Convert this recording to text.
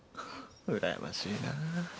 うらやましいな。